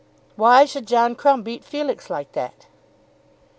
"Why should John Crumb beat Felix like that?"